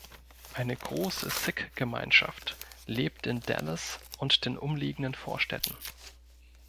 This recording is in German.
Eine große Sikh-Gemeinschaft lebt in Dallas und den umliegenden Vorstädten.